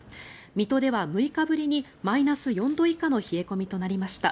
水戸では６日ぶりにマイナス４度以下の冷え込みとなりました。